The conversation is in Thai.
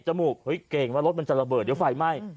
มูกเฮ้ยเกรงว่ารถมันจะระเบิดเดี๋ยวไฟไหม้